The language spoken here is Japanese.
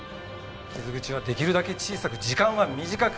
傷口は出来るだけ小さく時間は短く。